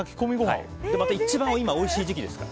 一番、今おいしい時期ですから。